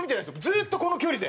ずーっとこの距離で。